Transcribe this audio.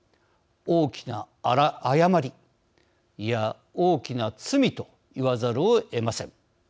大きな誤りいや、大きな罪と言わざるをえません。